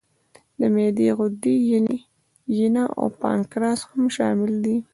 د معدې غدې، ینه او پانکراس هم شامل دي.